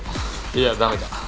いや駄目だ。